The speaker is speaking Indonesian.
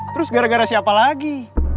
terus gara gara siapa lagi